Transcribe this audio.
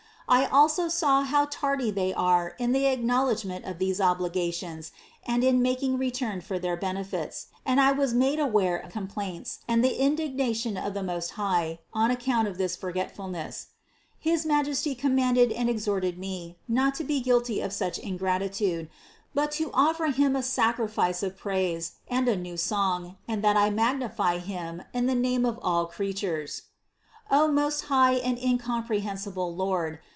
I also saw how tardy they are in the acknowledgment of these obligations and in making return for these benefits ; and I was made aware of the complaints and the indignation of the Most High on account of this forget fulness. His Majesty com manded and exhorted me not to be guilty of such in gratitude, but to offer Him a sacrifice of praise, and a new song, and that I magnify Him in the name of all creatures. 50. O most high and incomprehensible Lord